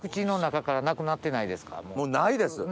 もうないです！